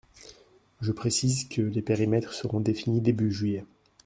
Je précise que les périmètres seront définis début juillet.